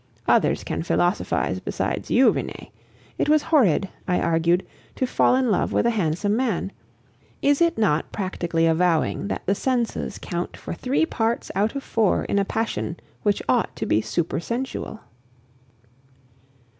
Others can philosophize besides you, Renee! It was horrid, I argued, to fall in love with a handsome man. Is it not practically avowing that the senses count for three parts out of four in a passion which ought to be super sensual?